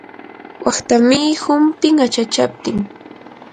waqtamii humpin achachaptin.